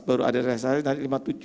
baru ada res area nanti lima puluh tujuh